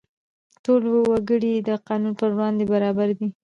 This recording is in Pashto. ټول وګړي د قانون پر وړاندې برابر دي.